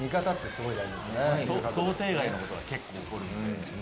想定外のことが結構起こるので。